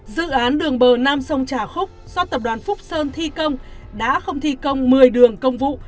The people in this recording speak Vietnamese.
dự án đường bờ nam sông trà khúc do tập đoàn phúc sơn thi công đã không thi công một mươi đường công vụ